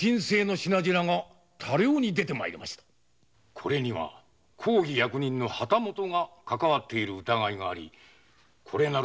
これには公儀役人の旗本が関係してる疑いがありこれなる